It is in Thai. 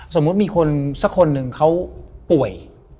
สมมุติมีคนสักคนหนึ่งเขาป่วย